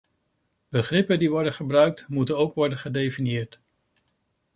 Begrippen die worden gebruikt, moeten ook worden gedefinieerd.